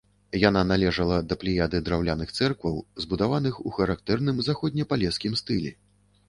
Яна належала да плеяды драўляных цэркваў, збудаваных у характэрным заходнепалескім стылі.